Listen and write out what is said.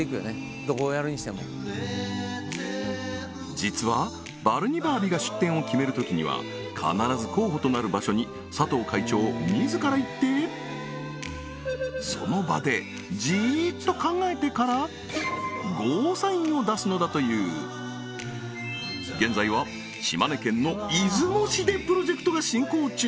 どこをやるにしても実はバルニバービが出店を決めるときには必ず候補となる場所に佐藤会長自ら行ってその場でじーっと考えてからゴーサインを出すのだという現在は島根県の出雲市でプロジェクトが進行中！